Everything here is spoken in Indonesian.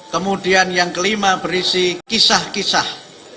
kemudian yang kelima berisi kisah kisah